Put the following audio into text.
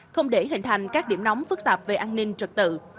không để hình thành các điểm nóng phức tạp về an ninh trật tự